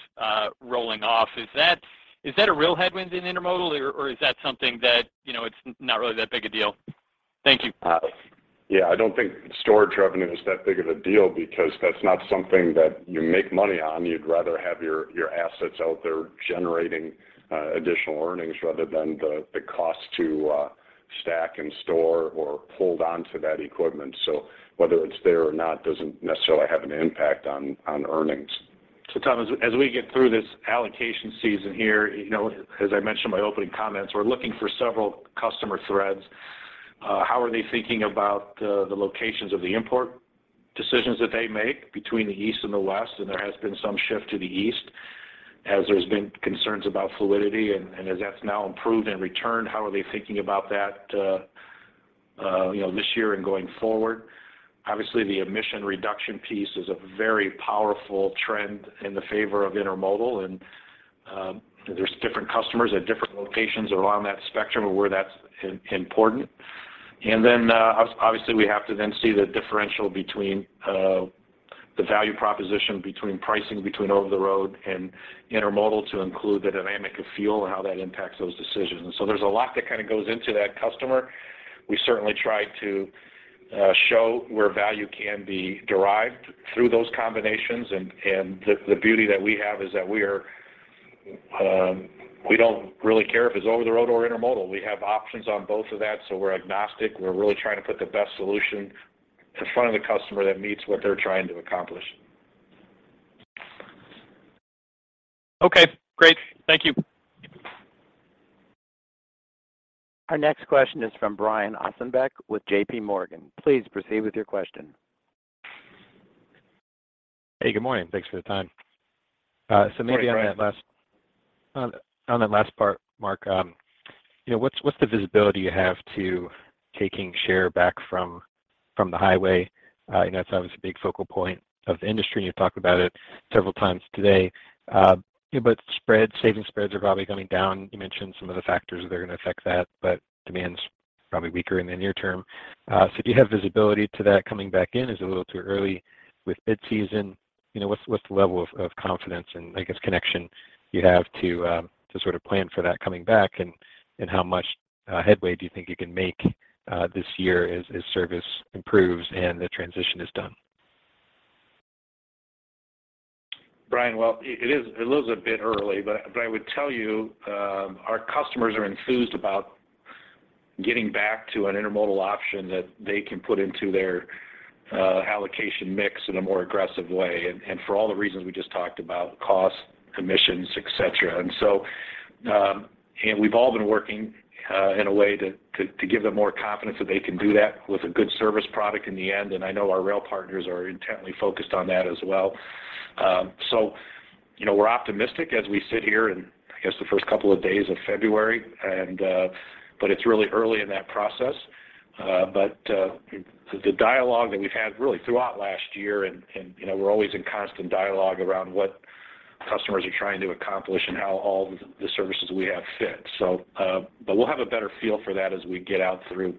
rolling off? Is that a real headwind in intermodal or is that something that, you know, it's not really that big a deal? Thank you. Yeah, I don't think storage revenue is that big of a deal because that's not something that you make money on. You'd rather have your assets out there generating additional earnings rather than the cost to stack and store or hold onto that equipment. Whether it's there or not doesn't necessarily have an impact on earnings. Tom, as we get through this allocation season here, you know, as I mentioned in my opening comments, we're looking for several customer threads. How are they thinking about the locations of the import decisions that they make between the East and the West? There has been some shift to the East as there's been concerns about fluidity and as that's now improved and returned, how are they thinking about that, you know, this year and going forward? Obviously, the emission reduction piece is a very powerful trend in the favor of intermodal, and there's different customers at different locations along that spectrum of where that's important. Obviously, we have to then see the differential between the value proposition between pricing between over-the-road and intermodal to include the dynamic of fuel and how that impacts those decisions. There's a lot that kind of goes into that customer. We certainly try to show where value can be derived through those combinations. The beauty that we have is that we don't really care if it's over-the-road or intermodal. We have options on both of that, so we're agnostic. We're really trying to put the best solution in front of the customer that meets what they're trying to accomplish. Okay, great. Thank you. Our next question is from Brian Ossenbeck with J.P. Morgan. Please proceed with your question. Hey, good morning. Thanks for the time. Sorry, Brian. Maybe on that last part, Mark, you know, what's the visibility you have to taking share back from the highway? You know, that's obviously a big focal point of the industry, and you've talked about it several times today. Spreads, savings spreads are probably coming down. You mentioned some of the factors that are going to affect that, but demand's probably weaker in the near term. Do you have visibility to that coming back in? Is it a little too early with bid season? You know, what's the level of confidence and I guess connection you have to sort of plan for that coming back, and how much headway do you think you can make this year as service improves and the transition is done? Brian, it is, it looks a bit early, but I would tell you, our customers are enthused about getting back to an intermodal option that they can put into their allocation mix in a more aggressive way, for all the reasons we just talked about, costs, emissions, et cetera. We've all been working in a way to give them more confidence that they can do that with a good service product in the end, and I know our rail partners are intently focused on that as well. You know, we're optimistic as we sit here in, I guess, the first couple of days of February, but it's really early in that process. The dialogue that we've had really throughout last year and, you know, we're always in constant dialogue around what customers are trying to accomplish and how all the services we have fit. We'll have a better feel for that as we get out through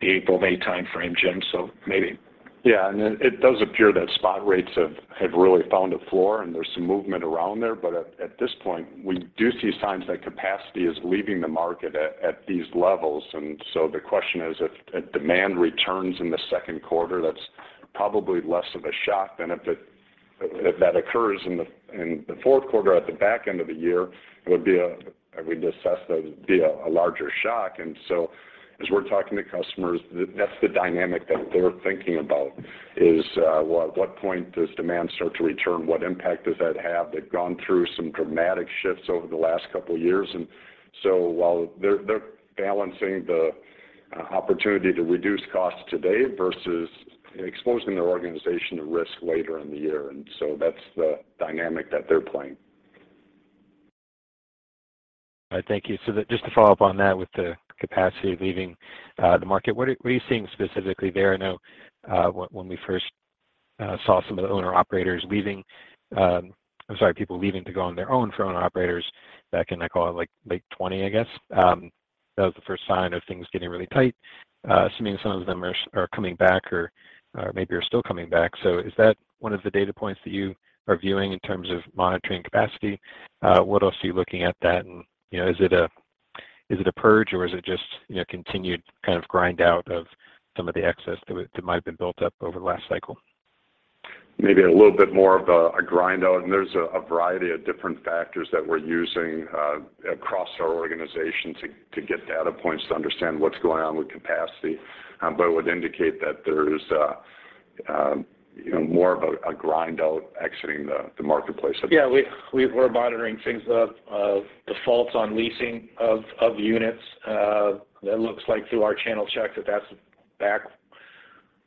the April-May timeframe, Jim. Maybe. Yeah, it does appear that spot rates have really found a floor, and there's some movement around there. At this point, we do see signs that capacity is leaving the market at these levels. The question is if demand returns in the second quarter, that's probably less of a shock than if that occurs in the fourth quarter at the back end of the year, it would be, I would assess that would be a larger shock. As we're talking to customers, that's the dynamic that they're thinking about is, well, at what point does demand start to return? What impact does that have? They've gone through some dramatic shifts over the last couple of years. While they're balancing the opportunity to reduce costs today versus exposing their organization to risk later in the year. That's the dynamic that they're playing. All right. Thank you. Just to follow up on that with the capacity leaving, the market, what are you seeing specifically there? I know, when we first saw some of the owner-operators leaving, I'm sorry, people leaving to go on their own from owner-operators back in, I call it, like, late 2020, I guess, that was the first sign of things getting really tight, assuming some of them are coming back or maybe are still coming back. Is that one of the data points that you are viewing in terms of monitoring capacity? What else are you looking at that and, you know, is it a purge or is it just, you know, continued kind of grind out of some of the excess that might have been built up over the last cycle? Maybe a little bit more of a grind out. There's a variety of different factors that we're using across our organization to get data points to understand what's going on with capacity. It would indicate that there's. you know, more of a grind out exiting the marketplace. Yeah, we're monitoring things of defaults on leasing of units. That looks like through our channel check that that's back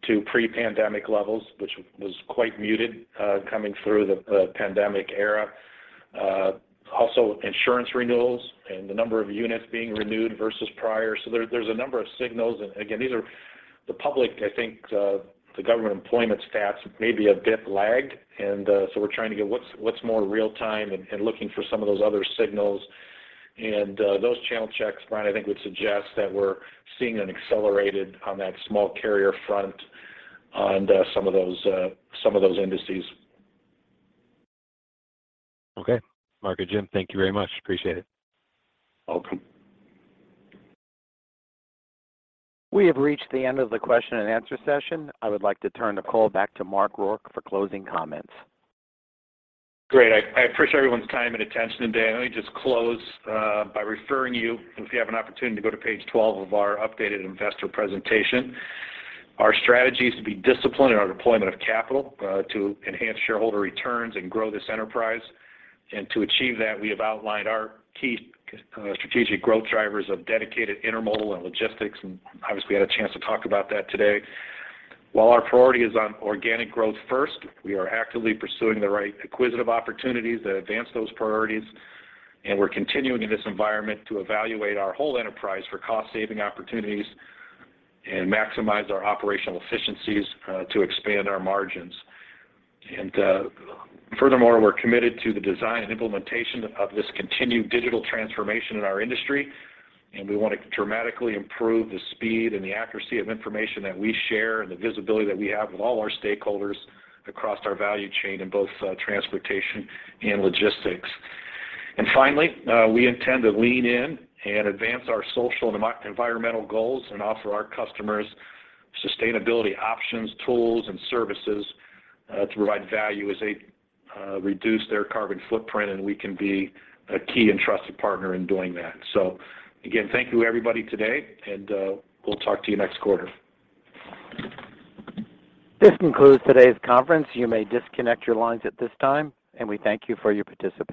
to pre-pandemic levels, which was quite muted coming through the pandemic era. Also insurance renewals and the number of units being renewed versus prior. There's a number of signals. Again, these are the public, I think, the government employment stats may be a bit lagged. We're trying to get what's more real-time and looking for some of those other signals. Those channel checks, Brian, I think would suggest that we're seeing an accelerated on that small carrier front on some of those some of those indices. Okay. Mark and Jim, thank you very much. Appreciate it. Welcome. We have reached the end of the question and answer session. I would like to turn the call back to Mark Rourke for closing comments. Great. I appreciate everyone's time and attention today. Let me just close by referring you, if you have an opportunity to go to page 12 of our updated investor presentation. Our strategy is to be disciplined in our deployment of capital to enhance shareholder returns and grow this enterprise. To achieve that, we have outlined our key strategic growth drivers of dedicated intermodal and logistics, and obviously had a chance to talk about that today. While our priority is on organic growth first, we are actively pursuing the right acquisitive opportunities that advance those priorities. We're continuing in this environment to evaluate our whole enterprise for cost saving opportunities and maximize our operational efficiencies to expand our margins. Furthermore, we're committed to the design and implementation of this continued digital transformation in our industry, and we want to dramatically improve the speed and the accuracy of information that we share and the visibility that we have with all our stakeholders across our value chain in both transportation and logistics. Finally, we intend to lean in and advance our social and environmental goals and offer our customers sustainability options, tools, and services to provide value as they reduce their carbon footprint, and we can be a key and trusted partner in doing that. Again, thank you everybody today, and we'll talk to you next quarter. This concludes today's conference. You may disconnect your lines at this time. We thank you for your participation.